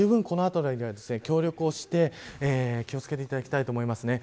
このあたりは協力をして気をつけていただきたいと思います。